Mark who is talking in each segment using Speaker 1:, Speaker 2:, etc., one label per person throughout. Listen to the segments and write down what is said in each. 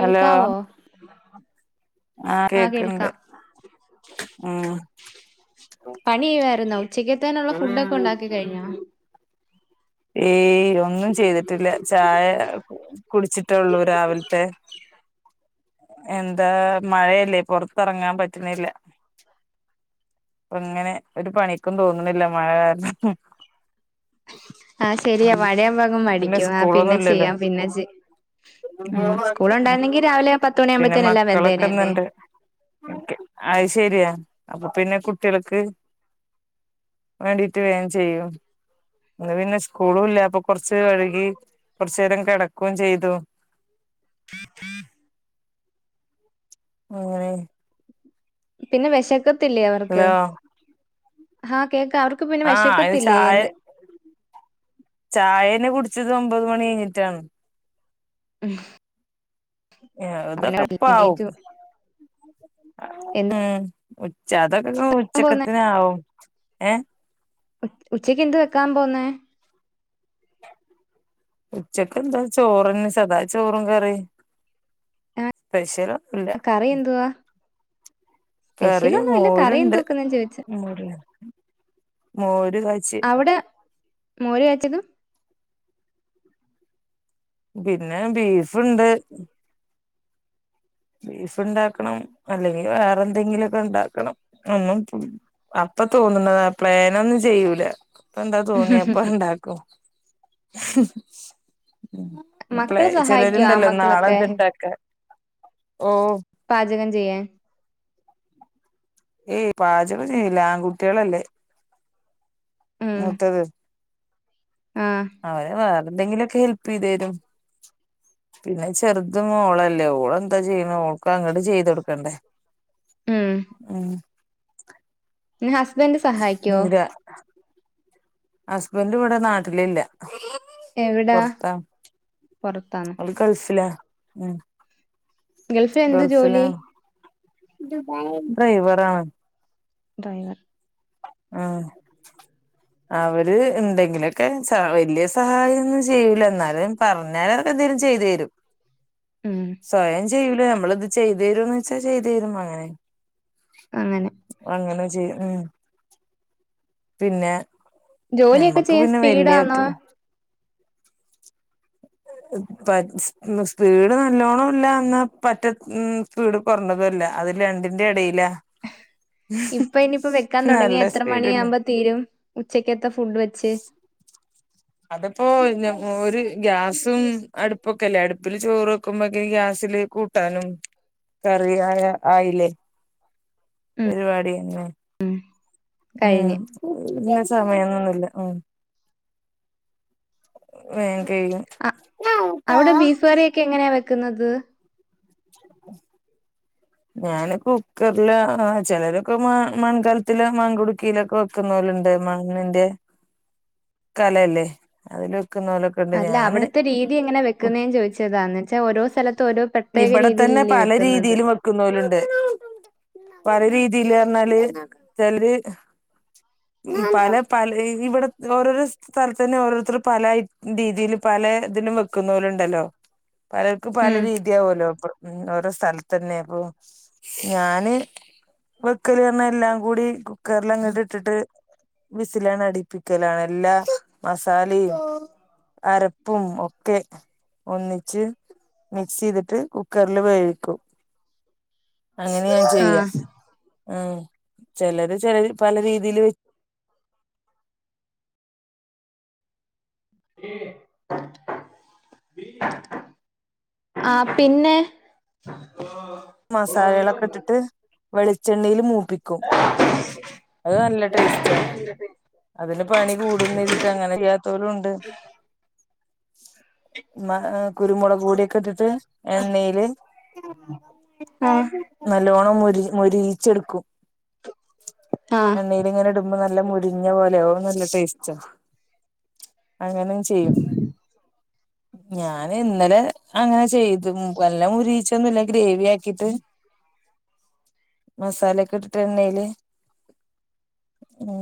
Speaker 1: Hello ആഹ്
Speaker 2: ആ
Speaker 1: കേക്ക്ണ്ട്
Speaker 2: കേൾക്കാം,
Speaker 1: ഉം
Speaker 2: പണി ചെയ്യുവായിരുന്നോ? ഉച്ചക്കത്തേനുള്ള ഫുഡോക്കെ ഒണ്ടാക്കി കഴിഞ്ഞോ?
Speaker 1: ഏയ് ഒന്നും ചെയ്തിട്ടില്ല, ചായ കുടിച്ചിട്ടേ ഒള്ളൂ രാവിലത്തെ എന്താ മഴയല്ലേ? പൊറത്തറങ്ങാൻ പറ്റുന്നില്ല, അപ്പ ഇങ്ങനെ ഒരു പണിക്കും തോന്നുന്നില്ല മഴ കാരണം.
Speaker 2: ആ ശെരിയാ മഴയാമ്പം അങ്ങ്
Speaker 1: പിന്നെ
Speaker 2: മടിക്കും, ആ
Speaker 1: സ്കൂളൊന്നും
Speaker 2: പിന്നെ
Speaker 1: ഇല്ലല്ലോ
Speaker 2: ചെയ്യാം പിന്നെ ചെ മ്
Speaker 1: ഉം
Speaker 2: സ്കൂളുണ്ടായിരുന്നെങ്കി രാവിലെ പത്ത്
Speaker 1: പിന്നെ
Speaker 2: മണിയാകുമ്പത്തേന് എല്ലാം വെന്തേനെ അല്ലേ
Speaker 1: മക്കളൊക്കെന്നണ്ട് ഓക്കേ അത് ശെരിയാ. അപ്പ പിന്നെ കുട്ടികൾക്ക് വേണ്ടിട്ട് വേം ചെയ്യും, അന്ന് പിന്നെ സ്കൂളും ഇല്ല അപ്പ കൊറച്ച് വഴുകി കൊറച്ചു നേരം കെടക്കേം ചെയ്തു. [unintelligible]
Speaker 2: പിന്നെ വെശക് ത്തില്ലേ അവർക്ക് ഹാ കേക്കാ അവർക്ക് പിന്നെ
Speaker 1: ആ അതിൽ
Speaker 2: വെശക്കത്തില്ലേ
Speaker 1: ചായ
Speaker 2: എന്ത്
Speaker 1: ചായേന്നെ കുടിച് ഇത് ഒമ്പത് മണി കഴിഞ്ഞിട്ടാണ്.
Speaker 2: ഉഹ
Speaker 1: ഏ അതക്കെ ഇപ്പം ആവും. മ്
Speaker 2: എന്തുവാ
Speaker 1: ഉച്ച അതോ അതൊക്ക ഉച്ചക്കത്തിനാവും. ഏഹ്
Speaker 2: ഉ ഉച്ചക്ക് എന്ത് വെക്കാൻ പോന്നേ
Speaker 1: ഉച്ചക്ക് എന്താ ചോറിനു സാധാ ചോറും കറിം സ്പെഷലൊന്നുല്ല
Speaker 2: കറി എന്തുവാ
Speaker 1: കറി
Speaker 2: സ്പെഷ്യലൊന്നും ഇല്ല കറി എന്ത്
Speaker 1: മോരുണ്ട്
Speaker 2: വെക്കുന്നെന്ന് ചോദിച്ചു
Speaker 1: മോര് കാച്ചി
Speaker 2: അവിടെ മോര് കാച്ചിയതും
Speaker 1: പിന്നെ ബീഫ്ണ്ട് ബീഫ് ഇണ്ടാക്കണം അല്ലെങ്കില് വേറെന്തെങ്കിലൊക്കെ ഇണ്ടാക്കണം ഒന്നും പ്പം അപ്പൊ തോന്ന്ന്നതാ പ്ലാനൊന്നും ചെയ്യൂല ഇപ്പൊ എന്താ തോന്നിയെ അപ്പത് ഇണ്ടാക്കും [unintelligible] അപ്പളേ
Speaker 2: മക്കള്
Speaker 1: ചിലര്
Speaker 2: സഹായിക്കോ ആ
Speaker 1: ഉണ്ടല്ലോ നാളെ
Speaker 2: മക്കളൊക്കെ
Speaker 1: എന്ത് ഉണ്ടാക്ക ഓഹ്
Speaker 2: പാചകം ചെയ്യാൻ
Speaker 1: ഏയ് പാചകം ചെയ്യില്ല ആൺകുട്ടിയേളല്ലേ
Speaker 2: ഉം
Speaker 1: മൂത്തത്
Speaker 2: ആ
Speaker 1: അവര് പറഞ്ഞ എന്തെങ്കിലൊക്കെ ഹെൽപ്പ് ചെയ്ത് തരും പിന്നെ ചെറുത് മോളല്ലെ ഓളെന്താ ചെയ്യണ് ഓൾക്ക് അങ്ങട്ട് ചെയ്ത് കൊട്ക്കണ്ടെ
Speaker 2: ഉം
Speaker 1: ഉം
Speaker 2: പിന്നെ ഹസ്ബൻ്റ് സഹായിക്കോ
Speaker 1: ഇല്ല ഹസ്ബൻഡ് ഇവിടെ നാട്ടിൽ ഇല്ല
Speaker 2: എവിടാ
Speaker 1: ആഹ്
Speaker 2: ഗൾഫിൽ എന്താ ജോലി?
Speaker 1: ഡ്രൈവറാ
Speaker 2: [unintelligible]
Speaker 1: ആഹ് അവര് എന്തെങ്കിലുമൊക്കെ സ വലിയ സഹായം ഒന്നും ചെയൂല എന്നാലും പറഞ്ഞാൽ അവര് എന്തേലും ചെയ്ത് തരും
Speaker 2: ഉം
Speaker 1: സ്വയം ചെ യ്യൂല നമ്മളത് ചെയ്തു തരോന്ന് ചോയ്ച്ച ചെയ്തു തരും അങ്ങനെ.
Speaker 2: അങ്ങനെ
Speaker 1: അങ്ങനെ ചെയ് ഉ പിന്നെ
Speaker 2: ജോലിയൊക്കെ
Speaker 1: ഞമ്മക്ക്
Speaker 2: ചെയ്യാൻ
Speaker 1: പിന്നെ
Speaker 2: സ്പീഡാന്നോ
Speaker 1: വല്യറ്റൂല പച്ച് സ്പീഡ് നല്ലോണം ഇല്ല എന്നാ പറ്റ സ്പീഡ് കൊർഞ്ഞതു അല്ല അത് രണ്ടിന്റിം എടേല
Speaker 2: ഇപ്പൊ ഇനിയിപ്പോ വെക്കാൻ
Speaker 1: നല്ല
Speaker 2: തുടങ്ങിയ എത്ര
Speaker 1: സ്പീഡില്ല
Speaker 2: മണിവുമ്പോ തീരും ഉച്ചക്കത്ത ഫുഡ് വെച്ച്
Speaker 1: അതിപ്പോ ഞ ഒരു ഗ്യാസും അടുപ്പൊക്കെല്ലേ അടുപ്പില് ചോറ് വെക്കുമ്പോക്ക ഗ്യാസില് കൂട്ടാനും കറിയ ആ ആയില്ലേ പരിപാടി എന്നന്നെ
Speaker 2: കഴിഞ്ഞ്
Speaker 1: ഉം [unintelligible] സമയൊന്നൊന്നില്ല ഉം വേ
Speaker 2: അ അവിടെ ബീഫുകറിയൊക്കെ എങ്ങനെയ വെക് ക്കുന്നത്
Speaker 1: [inaudible] ഞൻ കുക്കറില് ആ ചിലരൊക്കെ മൺകാലത്തില് മൺകുടുക്കിയിലൊക്കെ വെക്കുന്ന പോലുണ്ട് മണ്ണിന്റെ കലയല്ലേ അതില
Speaker 2: അല്ല അവിടുത്തെ രീതി എങ്ങനെ വെക്കുന്നേന്ന് ചോദിച്ചതാന്ന് വെച്ചാൽ ഓരോ സ്ഥലത്തും ഓരോ പ്രത്യേക
Speaker 1: ഇവിടെ തന്നെ
Speaker 2: രീതിയിലല്ലേ
Speaker 1: പല
Speaker 2: വെക്കുന്നത്
Speaker 1: രീതിലും വെക്കുന്നലുണ്ട് പല രീതിൽ പറഞ്ഞാല് ചലര് പല പല ഇവിടെ ഓരോരോ സ്ഥലത്തന്നെ ഓരോരുത്തർ പല രീതിൽ പല ഇതിലും വെക്കുന്ന പോലുണ്ടല്ലോ പലർക്ക് പലീ
Speaker 2: ഉം
Speaker 1: രീതി തീവല്ലോ ഓരോ സ്ഥലത്ത് തന്നെ അപ്പൊ ഞാന് വെക്കല് പറഞ്ഞ എല്ലാം കൂടി കുക്കറിലങ്ങട്ട ഇട്ടിട്ട് വിസിലാണ് അടിപ്പിക്കലാണ് എല്ലാ മസാലിം അരപ്പും ഒക്കെ ഒന്നിച്ച് മിക്സ് മിക്സ്സ് ചെയ്തിട്ട് കുക്കറിൽ വേവിക്കും അങ്ങനെ ഞാൻ ചെയ്യാം
Speaker 2: ആഹ്
Speaker 1: ഉം ചിലത് ചില പല രീതില്
Speaker 2: ആ പിന്നെ
Speaker 1: മസാലളൊക്കെ ഇട്ടിട്ട് വെളിച്ചെണ്ണയിൽ മൂ പ്പിക്കും അത് നല്ല ടേസ്റ്റ അതിന് പണി കൂടുംചെയ്തിട്ട് അങ്ങനെ ചെയ്യാത്ത പോലും ഉണ്ട് മ കുരുമുളക് കൂടിയൊക്കെ എത്തിട്ട് എണ്ണയില്
Speaker 2: ആഹ്
Speaker 1: നല്ലോണം മൊരി മൊരീച്ചെടുക്കും
Speaker 2: ആഹ്
Speaker 1: എണ്ണല് ഇങ്ങനെ ഇടുമ്പോ നല്ല മു ല ഓ നല്ല ടേസ്റ്റ അങ്ങനെ ചെയ്യും ഞാൻ ഇന്നലെ അങ്ങനെ ചെയ്തു എല്ലാം ഉരിയിച്ചൊന്നുമല്ല ഗ്രേവി ആക്കിട്ട് മസാല ഒക്കെ ഇട്ടിട്ട് എണ്ണേയില് ഉം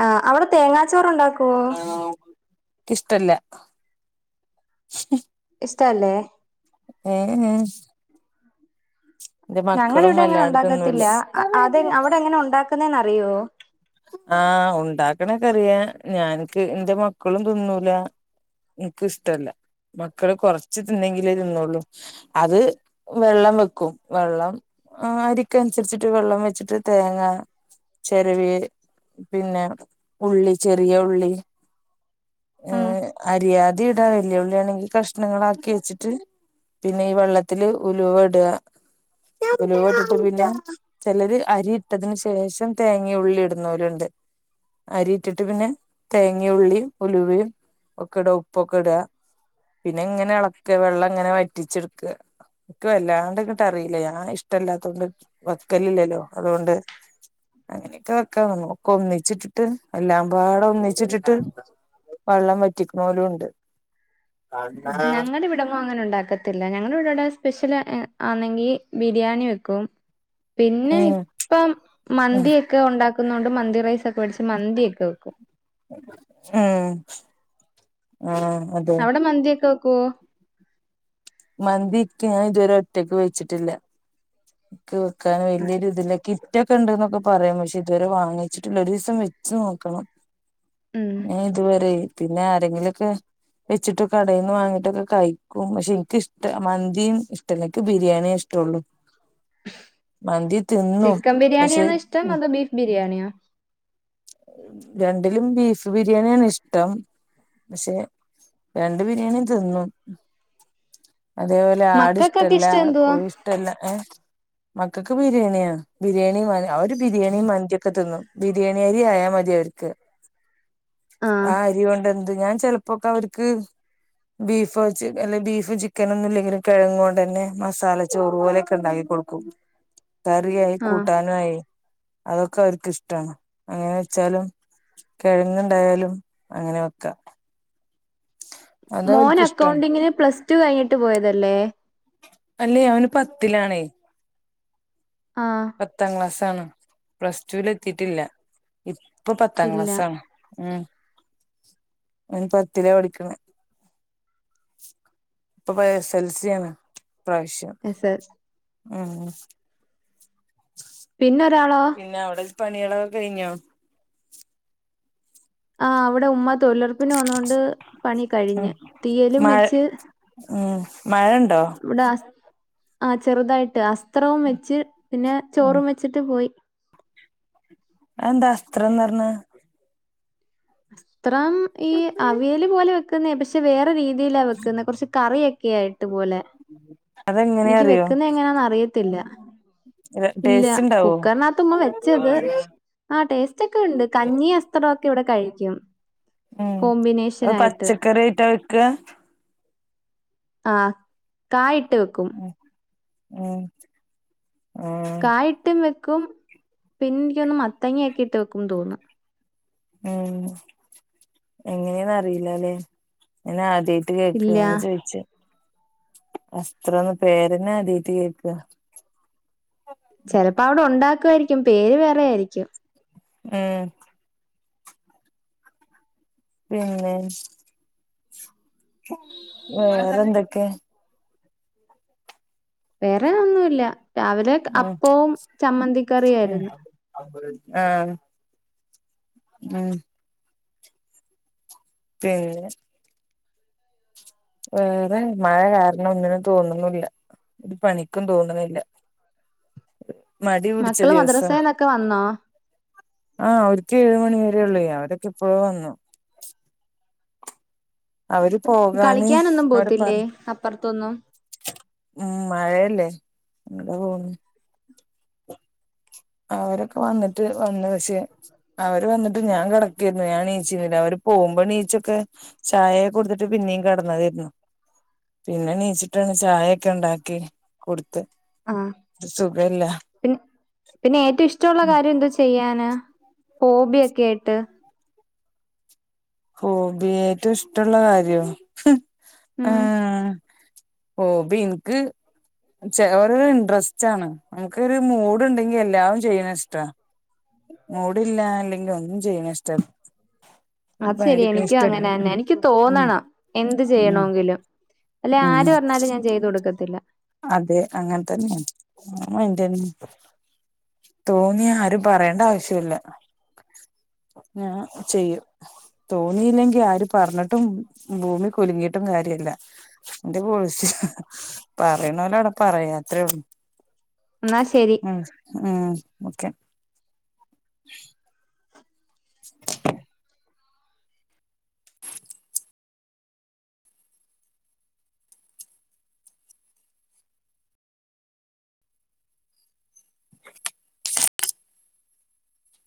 Speaker 2: ആ അവിടെ തേങ്ങാ ച്ചോറ ഉണ്ടാക്കുവോ
Speaker 1: ഇഷ്ടല്ല ഇഷ്ട
Speaker 2: ഇഷ്ടല്ലേ
Speaker 1: ഏ എ
Speaker 2: ഞങ്ങ ഇവിടെ അങ്ങനെ
Speaker 1: വല്ലാണ്ട് തിന്നൂല
Speaker 2: ഉണ്ടാക്കത്തില്ല അത് അവിടെ എങ്ങനെ ഉണ്ടാക്കുന്നറിയോ അറയോ
Speaker 1: ആഹ് ഉണ്ടാക്കണക്ക അറിയാ ഞാനക്ക് എന്റെ മക്കളും തിന്നൂല എനക്ക് ഇഷ്ടല്ല മക്കള് കൊറച്ച് തിന്നെങ്കിലേ തിന്നുള്ളു അത് വെള്ളം വെക്കും വെള്ളം അരിക്ക് അനുസരിച്ചിട്ട് വെള്ളം വെച്ചിട്ട് തേങ്ങ ചരവി പിന്നെ ഉള്ളി ചെറിയ ഉള്ളി
Speaker 2: ഉം
Speaker 1: ഏഹ് അരിയാ [unintelligible] വെല്യ ഉള്ളി ആണെങ്കി കഷ്ണങ്ങളാക്കി വെച്ചിട്ട് പിന്നെ ഈ വെള്ളത്തില് ഉലുവ ഇടുക ഉലുവ ഇട്ടിട്ട് പിന്നെ ചിലര് അരി ഇട്ടതിന് ശേഷം തേങ്ങ ഉള്ളിടും ന്നോല്ണ്ട് അരിയിട്ടിട്ട് പിന്നെ തേങ്ങ ഉള്ളിയും ഉലുവേം ഒക്കെ ഇടാ ഉപ്പൊക്കെ ഇടുക പിന്നെ ഇങ്ങനെ ഇളക്കാ വെള്ളം ഇങ്ങനെ വറ്റിച്ചെടുക്കാ ഇൻക് വല്ലാണ്ട് ഇങ്ങിട്ട് അറിയില്ല ഞാൻ ഇഷ്ടല്ല വക്കലില്ലല്ലോ അതുകൊണ്ട് അങ്ങനെയൊക്കെ ക്കെ വേണം ഒക്കെ ഒന്നിച്ചിട്ട് ട്ട് എല്ലാം പാട ഒന്നിച്ചിട്ടിട്ട് വെള്ളം വറ്റിക്കുന്നോലും ഇണ്ട്
Speaker 2: ഞങ്ങടെ ഇവിടെങ്ങും അങ്ങനെ ആന്നെങ്കി ബിരിയാണി വെക്കും പിന്നെ
Speaker 1: ഉം
Speaker 2: ഇപ്പം
Speaker 1: ഉം
Speaker 2: മന്തിയൊക്കെ ഉണ്ടാക്കു ക്കുന്നുണ്ട് മന്തി റൈസ്‌ ഒക്കെ വേടിച്ച് മന്തിയൊക്കെ വെക്കും
Speaker 1: ഏഹ് ആഹ്
Speaker 2: അവിടെ മന്തിയൊക്കെ വെ ക്കുവോ
Speaker 1: മന്തി ഇക്ക് ഞാൻ ഇതുവരെ ഒറ്റക്ക് വെച്ചിട്ടില്ല ക്ക്‌ വെക്കാന് വലിയൊരു ഇതിലൊക്കെ ക്കെ ഇണ്ട് എന്നൊക്കെ പറയാം പക്ഷെ ഇതുവരെ വാങ്ങിച്ചിട്ടില്ല ഒരു ദിവസം വെച്ച് നോക്കണം
Speaker 2: ഉം
Speaker 1: ഞാൻ ഇതുവരെ പിന്നെ ആരെങ്കിലൊക്കെ വെച്ചിട്ടോ കടേന്ന് വാങ്ങിട്ടൊക്കെ കയിക്കും പക്ഷെ എനിക്ക് ഇഷ്ട മന്തിയും ഇഷ്ടല്ല ഇൻക് ബിരി ബിരിയാണിയേ ഇഷ്ടുള്ളു
Speaker 2: ചിക്കൻ
Speaker 1: പക്ഷെ
Speaker 2: ബിരിയാണിയാന്നോ ഇഷ്ടം അതോ ബീഫ് ബിരി രിയാണിയാ
Speaker 1: രണ്ടിലും ബീഫ് ബിരിയാണിയാണ് ഇഷ്ടം പക്ഷെ രണ്ട് ബിരിയാണിയും തിന്നും അതേപോലെ ആട്
Speaker 2: മക്കൾക്കൊക്കെ
Speaker 1: ഇഷ്ടല്ല
Speaker 2: ഇഷ്ടം എന്തുവാ
Speaker 1: കോഴ ഇഷ്ടല്ല ഏഹ് മക്കക്ക് ബിരിയാണിയാ ബിരിയാണീ അവര് ബിരിയാണീം മന്തിയൊക്കെ തിന്നും ബിരിയാണി ന്തി ആയാ മതി അവര്ക്ക് ആ
Speaker 2: ആഹ്
Speaker 1: അരി കൊണ്ട് എന്ത് ഞാൻ ചെലപ്പൊക്കെ അവര്ക്ക് ബീഫ് വച്ച് അല്ലെ ബീഫും ചിക്കനൊന്നും ഇല്ലെങ്കിലും കിഴങ്ങ് കൊണ്ടെന്നെ മസാല ചോറു പോലെയൊക്കെ ഇണ്ടാക്കി കൊടുക്കും കറിയായി
Speaker 2: ആഹ്
Speaker 1: കൂട്ടാനും ആയി അതൊക്കെ അവര്ക്ക് ഇഷ്ടാണ് അങ്ങനെ വെച്ചാലും കിഴങ്ങ് ണ്ടായാലും അങ്ങനെ വെക്കാ
Speaker 2: മോൻ അക്കൗണ്ടിങ്ങിന് പ്ലസ് ടു കഴിഞ്ഞിട്ട് പോയതല്ലേ
Speaker 1: അല്ലേ അവന് പത്തിലാണേ
Speaker 2: ആഹ്
Speaker 1: പത്താം ക്ലാസ് ആണ് പ്ലസ് ടുല് എത്തിട്ടില്ല ഇപ്പ പത്താം
Speaker 2: ഇല്ല
Speaker 1: ക്ലാസ്സാണ് ഉം ഓന്പത്തിലേ പഠിക്കണെ ഇപ്പൊ എസ് എൽ സി ആണ് ഇപ്രാവശ്യം
Speaker 2: എസ്
Speaker 1: ഉം
Speaker 2: പിന്ന
Speaker 1: പിന്ന അവിടെ പണികളൊക്കെ കയിഞ്ഞോ
Speaker 2: ആ അവിടെ ഉമ്മ തൊഴിലുറപ്പിന് വന്നൊണ്ട് പണി കഴിഞ്ഞ് തീയലും വെച്ച്
Speaker 1: ഉം മഴ
Speaker 2: ഇവിടാസ് ആ ചെറുതായിട്ട് ആസ് [unintelligible] വെച്ച് പിന്നെ
Speaker 1: ഉം
Speaker 2: ചോറും വെച്ചിട്ട് പോയി
Speaker 1: അത് എന്താ അസ്ത്രം ന്ന് പറഞ്ഞാ
Speaker 2: അസ് ത്രം ഈ അവിയല് പോലെ ക്ക്ന്നേ പക്ഷെ വേറെ രീ തീല വെക്കുന്നെ കുറച്ച് കറീയക്കെ ആയിട്ട് പോലെ
Speaker 1: അതെങ്ങനെയാ
Speaker 2: എനിക്ക്
Speaker 1: അറിയോ
Speaker 2: വെക്കുന്ന എങ്ങനാന്ന് അറിയത്തില്ല ഇല്ല
Speaker 1: ടേസ്റ്റ് ഉണ്ടാവോ
Speaker 2: കുക്കറിനകത്ത് ഉമ്മ വെച്ചത് ആ ടേസ്റ്റ് ഒക്കെ ഉണ്ട് കഞ്ഞി [unintelligible] ക്കെ ഇവിടെ കഴിക്കും
Speaker 1: ഉം
Speaker 2: കോമ്പിനേഷൻ
Speaker 1: അത്
Speaker 2: ആയിട്ട്.
Speaker 1: പച്ചക്കറിയായിട്ടാ വെക്കാ
Speaker 2: ആഹ് കായ് ട്ട് വെക്കും
Speaker 1: ഉം ഉം ഉം
Speaker 2: കായിട്ടും വെ ക്കും പിന്നെ എനിക്കൊന്ന് മത്തങ്ങ ഒക്കെ ഇട്ട് വെക്കുംന്ന് തോന്നുന്നു
Speaker 1: ഉം എങ്ങനെയാന്ന് അറിയില്ലല്ലേ [unintelligible] [unintelligible] കേൾക്കുക
Speaker 2: ഇല്ല
Speaker 1: [unintelligible] ചോയിച്ചേ [unintelligible] പേരന്നെ ആദ്യായായിട്ട് കേൾക്കാ
Speaker 2: ചെലപ്പോ അവിടെ ഉണ്ടാക്കുവായിരിക്കും പേര് വേറെ ആയിരിക്കും
Speaker 1: ഉം പിന്നെ വേറെ എന്തക്കെ
Speaker 2: വേറെ ഒന്നുമില്ല രാവിലെ
Speaker 1: ഉം
Speaker 2: അപ്പവും
Speaker 1: ഉം
Speaker 2: ചമ്മന്തിക്കറിയായിരുന്നു
Speaker 1: ആഹ് ഉം പിന്നെ വേറെ മഴ കാരണം ഒന്നിനും തോന്നുന്നുില്ല ഇത് പണിക്കും തോന്നുന്നില്ല
Speaker 2: മക്കള് മദ്രസയിന്നൊക്കെ വന്നോ
Speaker 1: ആഹ് ഒര്ക്ക് ഏഴ് മണി വരെ ഉള്ളെ, അവരൊക്കെ ഇപ്പളോ വന്നു. അവര് പോകാന്
Speaker 2: കളിക്കാനൊന്നും
Speaker 1: അവിടെ
Speaker 2: പോവത്തില്ലേ
Speaker 1: പറഞ്ഞ്,
Speaker 2: അപ്പുറത്തൊന്നും?
Speaker 1: ഉം മഴ ല്ലേ അങ്ങനെ പോവുന്നു. ആഹ് അവരൊക്കെ വന്നിട്ട് വന്നു, പക്ഷെ അവര് വന്നിട്ട് ഞാൻ കെടക്കെന്നു. അവര് വന്നിട്ട് ഞാൻ കാടെക്കെന്നു. ഞാൻ നീചൂല അവര് പോകുമ്പോ നീച്ചൊക്കെ ചായ കൊടുത്തിട്ട് പിന്നെയും കെടന്നതായിരുന്ന്, പിന്നെ നീച്ചിട്ടാണ് ചായൊക്കെ ഉണ്ടാക്കി കൊടു ത്ത്
Speaker 2: ആഹ്
Speaker 1: സുഖല്ലാ
Speaker 2: പിന്നെ പിന്നെ ഏറ്റും ഇഷ്ടവുള്ള കാര്യ എന്താ വെച്ച ന, ഹോബി കേട്ട്.
Speaker 1: ഹോബി ഏറ്റവും ഇഷ്ടമുള്ള കാര്യം, ഹ്മ്മ്
Speaker 2: ഉം
Speaker 1: ആഹാ ഹോബി ഇൻക്ക്, ചെ ഓരോരോ ഇൻട്രസ്റ്റാണ്. ഇൻക്കൊരു മൂഡുണ്ടെങ്കിയെല്ലാം ചെയ്യുന്നതിഷ്ടാണ്. മൂഡില്ലായില്ലെങ്കിൽ ഒന്നും ചെയ്യുന്ന ഇഷ്ട്ടല്ല
Speaker 2: അത് ശെരിയാ, എനിക്കും അങ്ങനെ തന്നെ, എനിക്ക്
Speaker 1: ഉം
Speaker 2: തോന്നണം എന്ത്
Speaker 1: ഉം ഉം
Speaker 2: ചെയ്യണെങ്കിലും അല്ലെ ആര്
Speaker 1: ഉം
Speaker 2: പറഞ്ഞാലും ഞാൻ ചെയ്തു കൊടുക്കത്തില്ല.
Speaker 1: അതെ അങ്ങനെ തന്നെ. ആ [unintelligible] തോന്നി ആരും പറയേണ്ട ആവശ്യമില്ല ഞാൻ ചെയ്യും, തോന്നിയില്ലെങ്കിൽ ആര് പറഞ്ഞിട്ടും ഭൂമി കുലുങ്ങിട്ടും കാര്യല്ല എന്റെ പോളിസി ഹാ പറിണോലവിടെ പറയാ അത്രേയൊള്ളൂ.
Speaker 2: എന്നാ ശരി.
Speaker 1: മ് ഹ്മ്മ് ഓക്കെ. [inaudible] [inaudible]